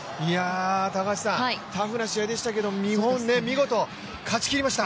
タフな試合でしたけど日本、見事勝ちきりました。